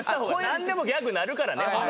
何でもギャグなるからね。